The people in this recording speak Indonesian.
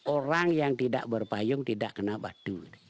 orang yang tidak berpayung tidak kena batu